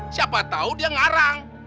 siapa tau dia ngarang